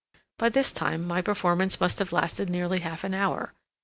By this time my performance must have lasted nearly half an hour.